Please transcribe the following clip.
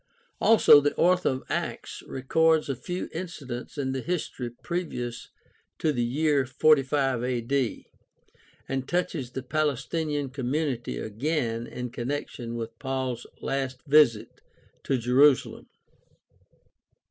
Also the author of Acts records a few incidents in the history previous to the year 45 a.d. and touches the Palestinian community again in connection with Paul's last visit to Jerusalem.